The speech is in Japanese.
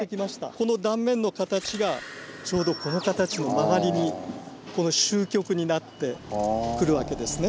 この断面の形がちょうどこの形の曲がりにこの褶曲になってくるわけですね。